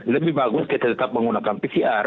lebih bagus kita tetap menggunakan pcr